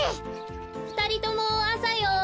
ふたりともあさよおきて。